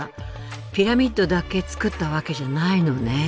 ピラミッドだけつくったわけじゃないのね。